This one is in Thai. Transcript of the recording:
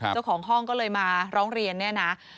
เจ้าของห้องก็เลยมาร้องเรียนเนี่ยนะ